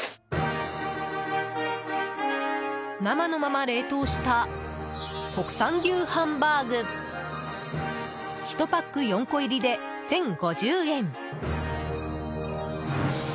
生のまま冷凍した国産牛ハンバーグ１パック４個入りで１０５０円。